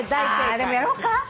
あでもやろっか。